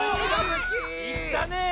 いったねぇ！